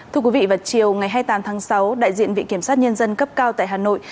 thưa quý vị vào chiều ngày hai mươi tám tháng sáu đại diện viện kiểm sát nhân dân cấp cao tại hà nội